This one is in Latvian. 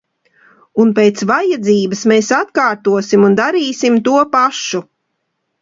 Un pēc vajadzības mēs atkārtosim un darīsim to pašu.